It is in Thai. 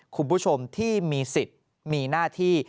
คุณผู้ชมที่มีสิทธิ์มีหน้าที่